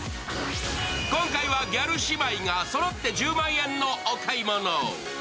今回はギャル姉妹がそろって１０万円のお買い物。